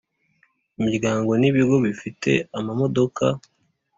imiryango n ibigo bifite amamodoka